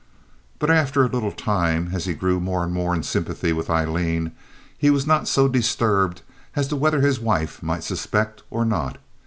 But after a little time, as he grew more and more in sympathy with Aileen, he was not so disturbed as to whether his wife might suspect or not.